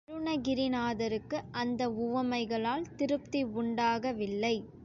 அருணகிரிநாதருக்கு அந்த உவமைகளால் திருப்தி உண்டாகவில்லை.